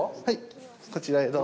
こちらへどうぞ。